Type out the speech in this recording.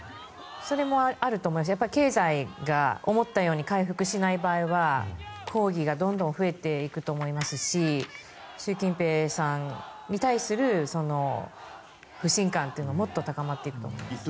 それもあると思うしやっぱり経済が思ったように回復しない場合は抗議がどんどん増えていくと思いますし習近平さんに対する不信感というのがもっと高まっていくと思います。